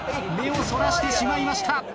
目をそらしてしまいました！